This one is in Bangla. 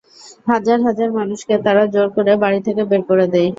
হাজার হাজার মানুষকে তারা জোর করে বাড়ি থেকে বের করে দেয়।